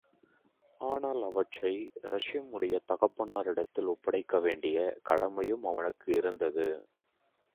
ஆனால் அவற்றை ரஹீமுடைய தகப்பனாரிடத்தில் ஒப்படைக்க வேண்டிய கடமையும் அவனுக்கு இருந்தது.